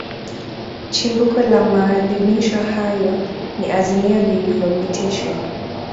Chimbuko la maadhimisho hayo ni Azimio lililopitishwa